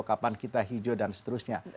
kapan kita hijau dan seterusnya